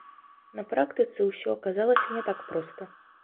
На практыцы ўсё аказалася не так проста.